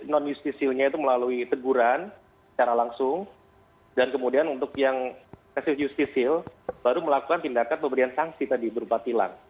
non justisinya itu melalui teguran secara langsung dan kemudian untuk yang resis justisil baru melakukan tindakan pemberian sanksi tadi berupa tilang